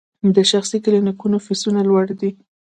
د شخصي کلینیکونو فیس لوړ دی؟